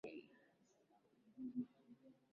sauti ya waziri wa ulinzi wa marekani robert gay